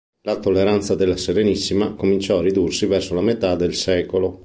La tolleranza della Serenissima cominciò a ridursi verso la metà del secolo.